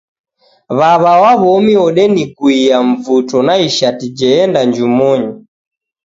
W'aw'a wa w'omi odeniguiya mvuto na ishati jeenda njumonyi.